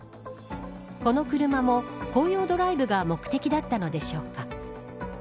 この車も紅葉ドライブが目的だったのでしょうか。